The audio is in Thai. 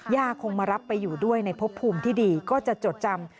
คงมารับไปอยู่ด้วยในพบภูมิที่ดีก็จะจดจำ